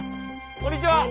・こんにちは！